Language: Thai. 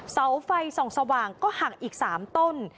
เสาไฟส่องสว่างก็หักอีก๓ต้น